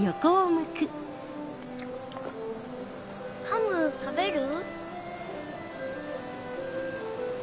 ハム食べる？